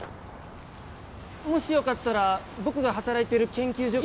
もしよかったら僕が働いている研究所が。